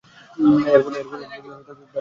এরফলে তারা সিরিজ জয়লাভ করে।